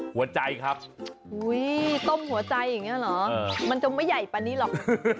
หัวใจครับต้มหัวใจอย่างนี้เหรอมันจะไม่ใหญ่กว่านี้หรอก